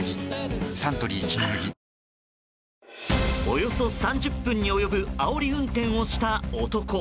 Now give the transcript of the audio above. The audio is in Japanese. およそ３０分に及ぶあおり運転をした男。